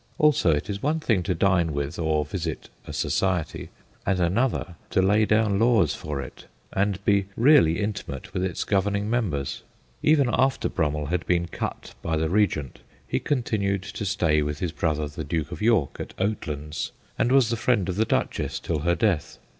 Also, it is one thing to dine with or visit a society, and another to lay down laws for it and be really intimate with its governing members. Even after Brummell had been cut by the Regent, he continued to stay with his brother the Duke of York at Oat lands, and was the friend of the Duchess till lier death.